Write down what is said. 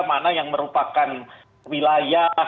mana yang merupakan wilayah